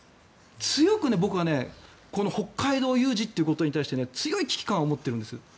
強く僕はこの北海道有事ということに対して強い危機感を持っているんです。